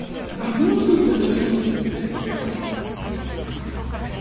「レモンティー」と一緒に。